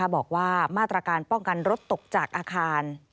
บอกว่ามาตรการป้องกันรถตกจากอาคาร